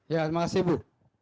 ya terima kasih ibu